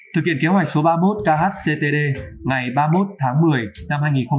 thực hiện kế hoạch số ba mươi một khctd ngày ba mươi một tháng một mươi năm hai nghìn hai mươi